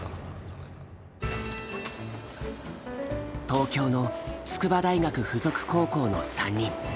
東京の筑波大学附属高校の３人。